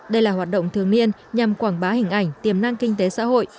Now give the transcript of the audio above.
đây là hoạt động thường niên nhằm quảng bá hình ảnh tiềm năng kinh tế xã hội